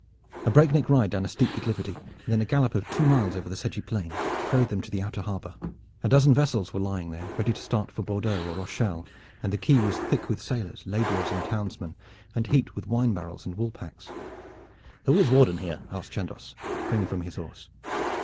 A breakneck ride down a steep declivity, and then a gallop of two miles over the sedgy plain carried them to the outer harbor. A dozen vessels were lying there, ready to start for Bordeaux or Rochelle, and the quay was thick with sailors, laborers and townsmen and heaped with wine barrels and wool packs. "Who is warden here?" asked Chandos, springing from his horse.